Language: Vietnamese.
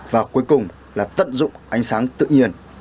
và cuối cùng là tận dụng ánh sáng tự nhiên